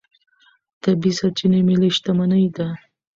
طبیعي سرچینې ملي شتمني ده.